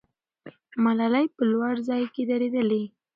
ملالۍ په لوړ ځای کې درېدلې.